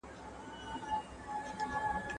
د کندهار ځوانان د ارغنداب سیند پرغاړه تمرین کوي.